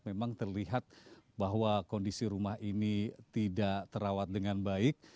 memang terlihat bahwa kondisi rumah ini tidak terawat dengan baik